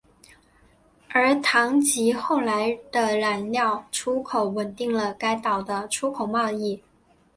而糖及后来的染料出口稳定了该岛的出口贸易。